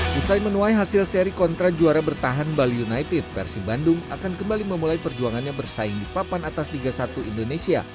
setelah menuai hasil seri kontra juara bertahan bali united persib bandung akan kembali memulai perjuangannya bersaing di papan atas liga satu indonesia